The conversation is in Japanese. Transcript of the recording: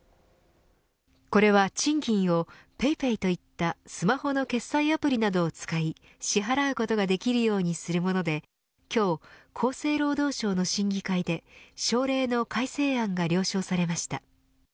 これは賃金をＰａｙＰａｙといったスマホの決済アプリなどを使い支払うことができるようにするもので今日、厚生労働省の審議会で省令の改正案が了承されました。